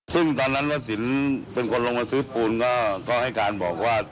ซึ่งตอนนั้นวสินเป็นคนลงมาซื้อปูนก็ให้การบอกว่า